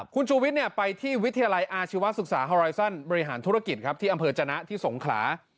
คุณชูวิทย์ไปที่วิทยาลัยอาชีวศึกษาฮอไรซันบริหารธุรกิจครับที่อำเภอจนะที่สงขลา